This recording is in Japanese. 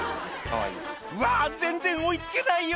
「うわ全然追い付けないよ